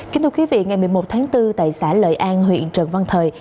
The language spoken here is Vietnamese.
kính thưa quý vị ngày một mươi một tháng bốn tại xã lợi an huyện trần văn thời